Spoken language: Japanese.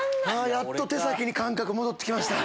やっと手先に感覚戻って来ました。